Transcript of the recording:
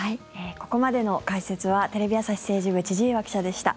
ここまでの解説はテレビ朝日政治部千々岩記者でした。